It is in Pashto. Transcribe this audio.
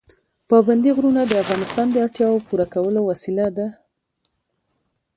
پابندي غرونه د افغانانو د اړتیاوو پوره کولو وسیله ده.